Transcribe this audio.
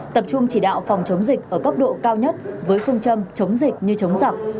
tập trung chỉ đạo phòng chống dịch ở cấp độ cao nhất với phương châm chống dịch như chống giặc